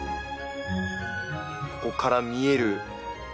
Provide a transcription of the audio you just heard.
ここから見えるもうね